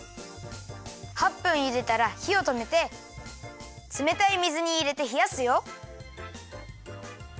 ８分ゆでたらひをとめてつめたい水にいれてひやすよ。